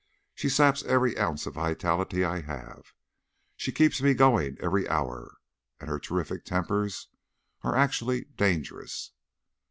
She saps every ounce of vitality I have; she keeps me going every hour. And her terrific tempers are actually dangerous."